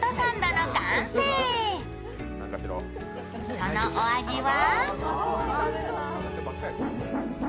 そのお味は？